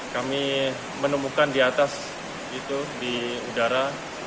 kami menemukan di atas itu di udara